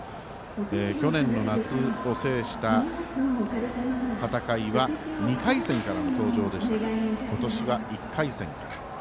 去年の夏を制した戦いは２回戦からの登場でしたが今年は１回戦から。